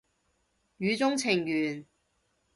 語中程緣